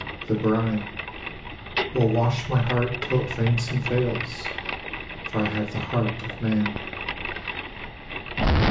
the brine Will wash my heart till it faints and fails, for I have the heart of man.